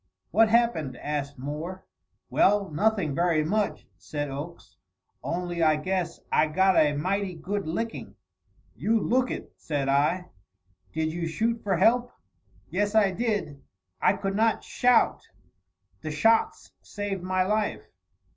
"What happened?" asked Moore. "Well, nothing very much," said Oakes; "only I guess I got a mighty good licking." "You look it," said I. "Did you shoot for help?" "Yes, I did. I could not shout. The shots saved my life."